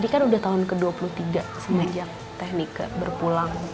ketika semenjak teknika berpulang